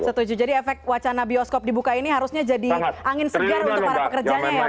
setuju jadi efek wacana bioskop dibuka ini harusnya jadi angin segar untuk para pekerjanya ya